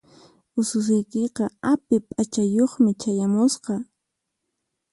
Ususiykiqa api p'achayuqmi chayamusqa.